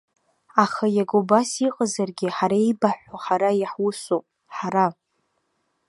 Аха иага убас иҟазаргьы, ҳара еибаҳҳәо ҳара иаҳусуп, ҳара.